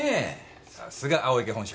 さすが青池本社。